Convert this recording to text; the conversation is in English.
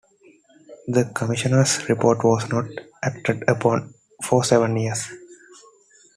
The commissioners' report was not acted upon for seven years.